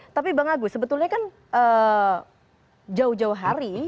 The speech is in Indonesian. tapi bang agus sebetulnya kan jauh jauh hari